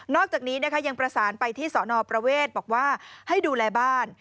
อกจากนี้นะคะยังประสานไปที่สนประเวทบอกว่าให้ดูแลบ้าน